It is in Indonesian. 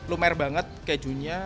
lumer banget kejunya